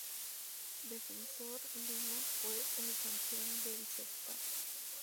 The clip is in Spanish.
Defensor Lima fue el campeón del certamen.